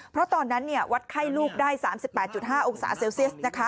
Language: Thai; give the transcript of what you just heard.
เพราะตอนนั้นวัดไข้ลูกได้๓๘๕องศาเซลเซียส